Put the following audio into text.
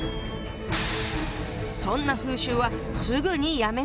そんな風習はすぐにやめさせなきゃ！